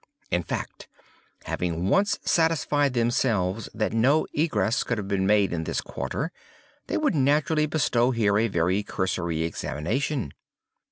In fact, having once satisfied themselves that no egress could have been made in this quarter, they would naturally bestow here a very cursory examination.